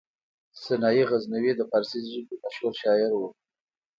سنايي غزنوي د فارسي ژبې مشهور شاعر و.